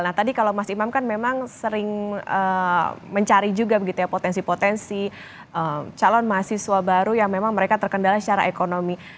nah tadi kalau mas imam kan memang sering mencari juga begitu ya potensi potensi calon mahasiswa baru yang memang mereka terkendala secara ekonomi